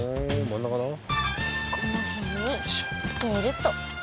この辺につけると。